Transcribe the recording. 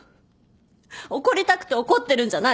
怒りたくて怒ってるんじゃない。